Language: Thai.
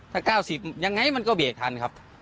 ถ้าก้าวสิบยังไงมันก็เบรกทันครับ